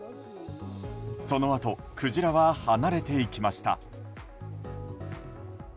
そのあとクジラは離れていきました。